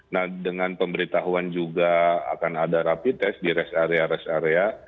nah dengan pemberitahuan juga akan ada rapid test di rest area rest area